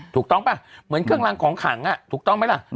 ถูกต้องป่ะเหมือนเครื่องรางของขังถูกต้องไหมล่ะ